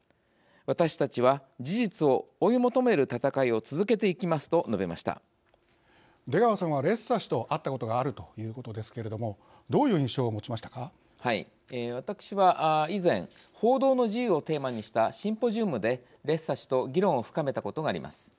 私たちは事実を追い求める闘いを出川さんはレッサ氏と会ったことがあるということですけれども私は、以前報道の自由をテーマにしたシンポジウムで、レッサ氏と議論を深めたことがあります。